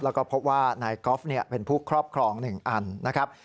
แล้วก็พบว่านายกอล์ฟเป็นผู้ครอบครอง๑อันนะครับ